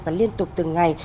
và liên tục từng ngày